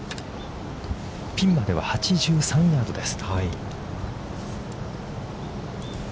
◆ピンまでは８３ヤードです。